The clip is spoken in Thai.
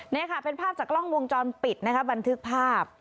นี่ค่ะเป็นภาพจากกล้องวงจรปิดนะคะบันทึกภาพ